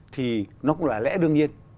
thì nó cũng là lẽ đương nhiên